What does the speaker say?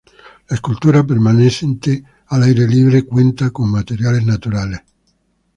La escultura permanente al aire libre cuenta con materiales naturales.